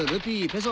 ペソ！